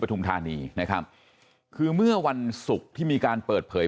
ทุมธานีนะครับคือเมื่อวันศุกร์ที่มีการเปิดเผย